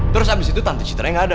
terus abis itu tante citra yang gak ada